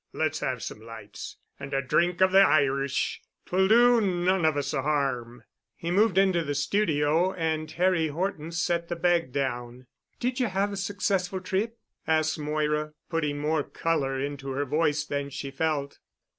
Let's have some lights—and a drink of the Irish. 'Twill do none of us harm." He moved into the studio and Harry Horton set the bag down. "Did you have a successful trip?" asked Moira, putting more color into her voice than she felt.